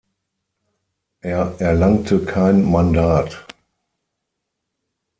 Er erlangte kein Mandat.